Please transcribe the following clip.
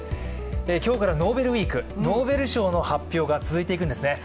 今日からノーベルウイーク、ノーベル賞の発表が続いていくんですね。